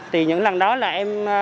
thì những lần đó là em